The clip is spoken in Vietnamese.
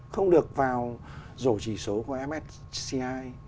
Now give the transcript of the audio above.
không được vào rổ chỉ số của msci